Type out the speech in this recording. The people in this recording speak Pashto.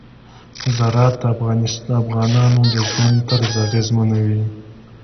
زراعت د افغانانو د ژوند طرز اغېزمنوي.